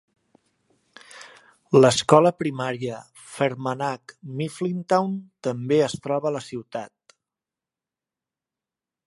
L'escola primària Fermanagh-Mifflintown també es troba a la ciutat.